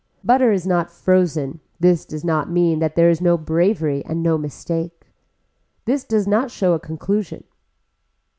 Butter is not frozen, this does not mean that there is no bravery and no mistake. This does show a conclusion.